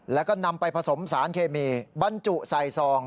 แล้วก็นำไปผสมสารเคมีบรรจุใส่ซอง